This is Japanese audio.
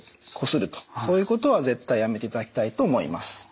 そういうことは絶対やめていただきたいと思います。